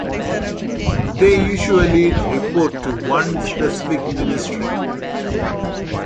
They usually report to one specific ministry.